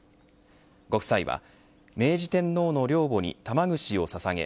ご夫妻は明治天皇の陵墓に玉串をささげ